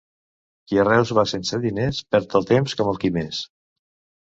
Qui a Reus va sense diners, perd el temps com el qui més.